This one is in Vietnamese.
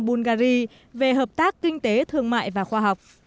bulgari về hợp tác kinh tế thương mại và khoa học